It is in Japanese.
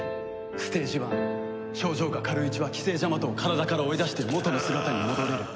ステージ１症状が軽いうちは寄生ジャマトを体から追い出して元の姿に戻れる。